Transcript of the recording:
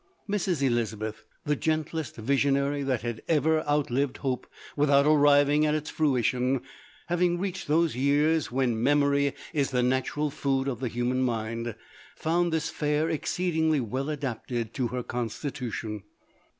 Mrs. Elizabeth, the gentlest visionary that had ever outlived hope, without arriving at its fruition, having readied those years when me mory is the natural food of the human mind, found this fare exceedingly well adapted to her constitution.